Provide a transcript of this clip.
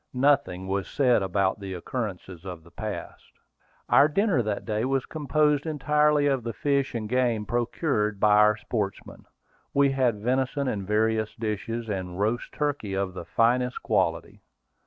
Nothing was said about the occurrences of the past. Our dinner that day was composed entirely of the fish and game procured by our sportsmen. We had venison in various dishes, and roast turkey of the finest quality.